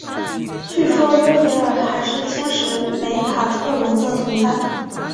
据说约斐尔还是天使梅塔特隆的同伴。